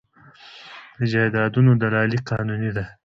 د جایدادونو دلالي قانوني ده؟